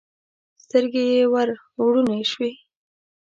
سترګې یې وروڼې شوې.